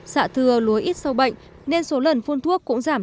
xạ thừa lúa ít sâu bệnh nên số lần phun thuốc cũng giảm